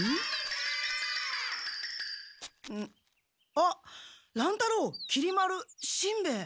あっ乱太郎きり丸しんべヱ。